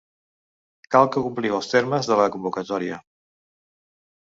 Cal que compliu els termes de la convocatòria.